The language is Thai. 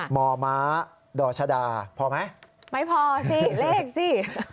มมดรชดาพอไหมไม่พอสิเลขสิ